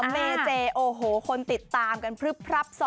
เจโอ้โหคนติดตามกันพลึบพรับ๒